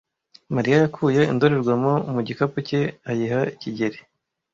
Mariya yakuye indorerwamo mu gikapu cye ayiha kigeli.